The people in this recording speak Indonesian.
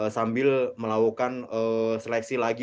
sambil melakukan seleksi lagi